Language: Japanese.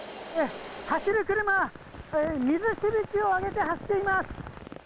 走る車、水しぶきを上げて走っています。